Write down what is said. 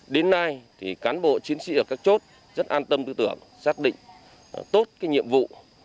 đến nay cán bộ chiến sĩ ở các chốt rất an tâm tư tưởng xác định tốt nhiệm vụ